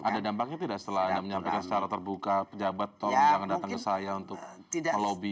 ada dampaknya tidak setelah anda menyampaikan secara terbuka pejabat tolong jangan datang ke saya untuk melobi